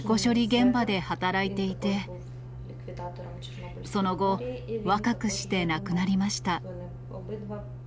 現場で働いていて、その後、若くして亡くなりました。